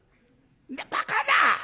バカな！